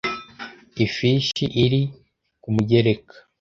Ifishi iri ku mugereka